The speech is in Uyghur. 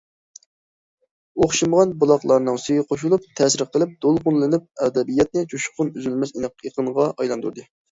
ئوخشىمىغان بۇلاقلارنىڭ سۈيى قوشۇلۇپ، تەسىر قىلىپ، دولقۇنلىنىپ، ئەدەبىياتنى جۇشقۇن ئۈزۈلمەس ئېقىنغا ئايلاندۇرىدۇ.